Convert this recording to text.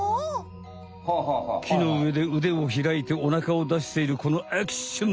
木のうえでうでをひらいておなかをだしているこのアクション！